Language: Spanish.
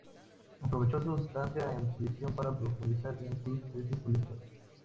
Aprovechó su estancia en prisión para profundizar en sus tesis políticas.